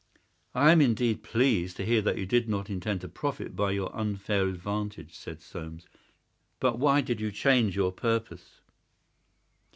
"I am indeed pleased to hear that you did not intend to profit by your unfair advantage," said Soames. "But why did you change your purpose?"